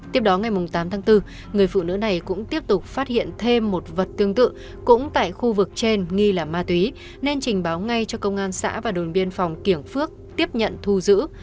tiếp đó ngày tám tháng bốn người phụ nữ này cũng tiếp tục phát hiện thêm một vật tương tự cũng tại khu vực trên nghi là ma túy nên trình báo ngay cho công an xã và đồn biên phòng kiểng phước tiếp nhận thu giữ